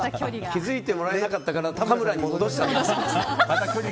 気づいてもらえなかったから田村に戻したの？